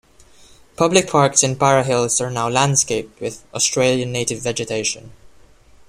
Public parks in para hills are now landscaped with Australian native vegetation.